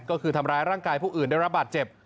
ก็คือทำร้ายร่างกายผู้อื่นได้รับบาดเจ็บ